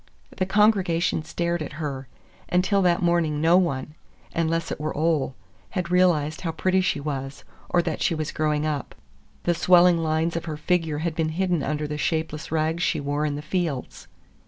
The congregation stared at her. Until that morning no one—unless it were Ole—had realized how pretty she was, or that she was growing up. The swelling lines of her figure had been hidden under the shapeless rags she wore in the fields.